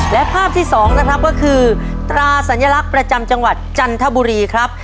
และภาพที่๒นะครับก็คือตราสัญลักษณ์ประจำจังหวัดจันทบุรีครับ